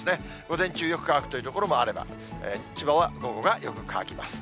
午前中、よく乾くという所もあれば、千葉は午後がよく乾きます。